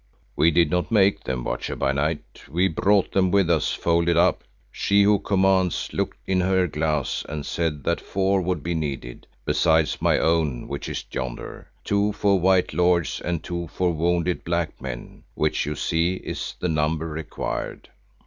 "We did not make them, Watcher by Night, we brought them with us folded up. She who commands looked in her glass and said that four would be needed, besides my own which is yonder, two for white lords and two for wounded black men, which you see is the number required."